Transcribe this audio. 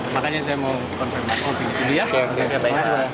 makanya saya mau konfirmasi